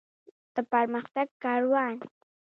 د پرمختګ کاروان.